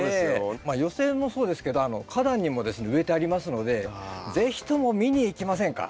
まあ寄せ植えもそうですけど花壇にもですね植えてありますので是非とも見に行きませんか？